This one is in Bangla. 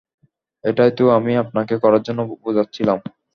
এটাই তো আমি আপনাকে করার জন্য বুঝাচ্ছিলাম।